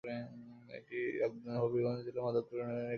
এটি হবিগঞ্জ জেলার মাধবপুর উপজেলা এর একটি ইউনিয়ন।